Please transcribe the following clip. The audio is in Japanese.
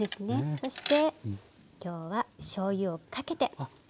そして今日はしょうゆをかけて。